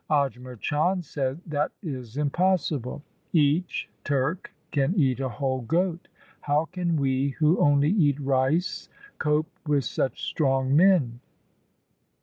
Ajmer Chand said, ' That is impossible. Each Turk can eat a whole goat. How can we who only eat rice, cope with such strong men